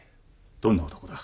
どんな男だ？